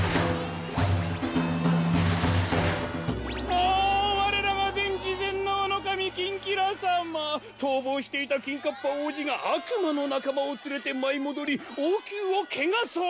おおわれらがぜんちぜんのうのかみキンキラさま！とうぼうしていたキンカッパ王子があくまのなかまをつれてまいもどりおうきゅうをけがそうとしました。